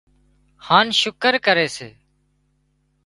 هانَ شُڪر ڪري سي